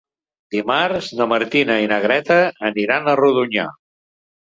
Dimarts na Martina i na Greta aniran a Rodonyà.